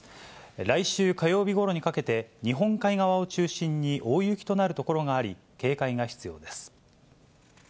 来週火曜日ごろにかけて、日本海側を中心に、大雪となる所があり、警戒が必要です。